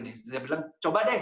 dia bilang coba deh